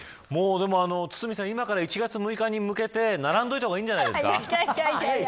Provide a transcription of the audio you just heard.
堤さん、今から１月６日に向けて並んでた方がいいんじゃないですか。